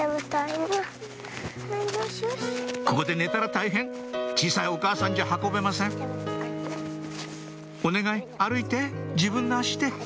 ここで寝たら大変小さいお母さんじゃ運べませんお願い歩いて自分の足であ。